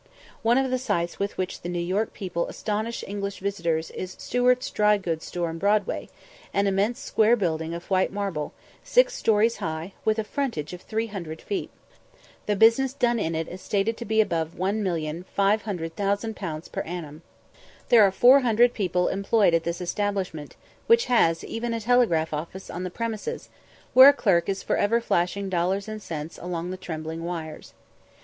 One of the sights with which the New York people astonish English visitors is Stewart's dry goods store in Broadway, an immense square building of white marble, six stories high, with a frontage of 300 feet. The business done in it is stated to be above 1,500,000_l._ per annum. There are 400 people employed at this establishment, which has even a telegraph office on the premises, where a clerk is for ever flashing dollars and cents along the trembling wires.